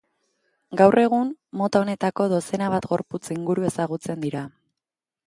Gaur egun, mota honetako dozena bat gorputz inguru ezagutzen dira.